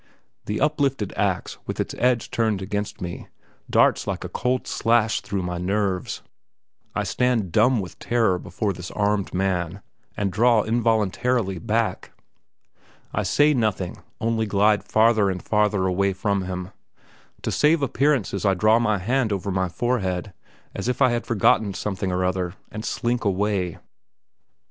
The uplifted ax, with its edge turned against me, darts like a cold slash through my nerves. I stand dumb with terror before this armed man, and draw involuntarily back. I say nothing, only glide farther and farther away from him. To save appearances I draw my hand over my forehead, as if I had forgotten something or other, and slink away.